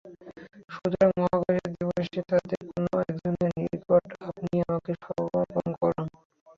সুতরাং, মহাত্রাসের দিবসে তাদের যে কোন একজনের নিকট আপনি আমাকে সমর্পণ করুন।